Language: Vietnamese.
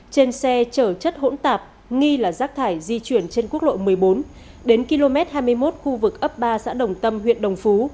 trên xe chở chất hỗn tạp nghi là rác thải di chuyển trên quốc lộ một mươi bốn đến km hai mươi một khu vực ấp ba xã đồng tâm huyện đồng phú